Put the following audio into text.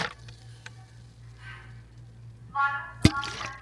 مریم نواز آزمائش کے پہلے مرحلے میں سرخرو ہوئیں۔